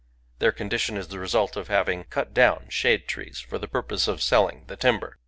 .•• Their condition is the result of having cut down shade trees for the purpose of selling the timber.